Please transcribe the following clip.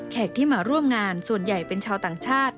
ที่มาร่วมงานส่วนใหญ่เป็นชาวต่างชาติ